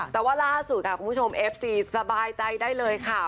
แต่ว่าล่าสุดค่ะคุณผู้ชมเอฟซีสบายใจได้เลยค่ะ